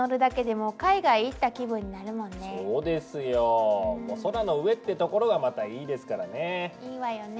もう空の上ってところがまたいいですからね。